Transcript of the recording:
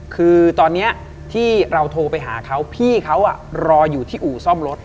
คือตอนนี้ที่เราโทรไปหาเขาพี่เขารออยู่ที่อู่ซ่อมรถ